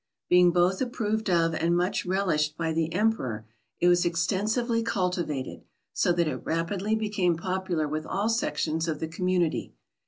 Being both approved of and much relished by the Emperor it was extensively cultivated, so that it rapidly became popular with all sections of the community.